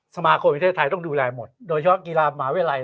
สมาคมประเภทที่อ้ายต้องดูแลหมดโดยเฉพาะกีฬาหมาเวลา